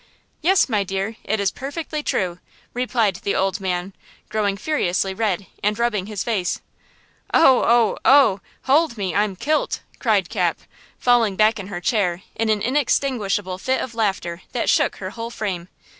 "Yes, my dear, it is perfectly true!" replied the old man growing furiously red, and rubbing his face. "Oh! oh! oh! Hold me! I'm 'kilt!'" cried Cap, falling back in her chair in an inextinguishable fit of laughter, that shook her whole frame.